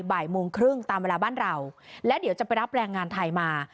บ่ายโมงครึ่งตามเวลาบ้านเราและเดี๋ยวจะไปรับแรงงานไทยมา